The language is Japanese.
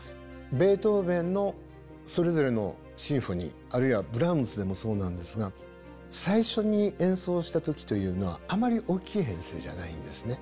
ベートーヴェンのそれぞれのシンフォニーあるいはブラームスでもそうなんですが最初に演奏した時というのはあまり大きい編成じゃないんですね。